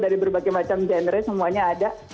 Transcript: dari berbagai macam genre semuanya ada